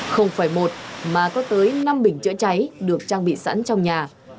không phải một mà có tới năm bình chữa cháy được trang bị sẵn trong nhà